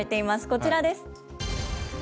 こちらです。